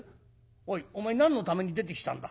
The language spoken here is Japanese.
おいお前何のために出てきたんだ？